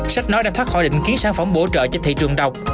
sách nói đang thoát khỏi định kiến sản phẩm bổ trợ cho thị trường đọc